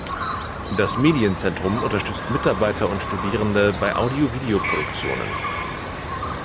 Das Medienzentrum unterstützt Mitarbeiter und Studierende bei Audio-Video-Produktionen.